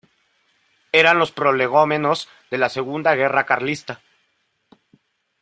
Eran los prolegómenos de la Segunda Guerra Carlista.